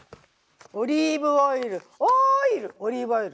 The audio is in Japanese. オリーブオイル「おーい」ルオリーブオイル。